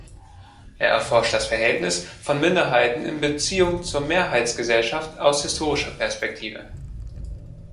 Er erforscht das Verhältnis von Minderheiten in Beziehung zur Mehrheitsgesellschaft aus historischer Perspektive.